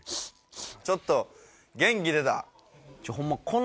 ちょっと元気出た！